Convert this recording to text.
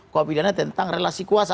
kwp diana tentang relasi kuasa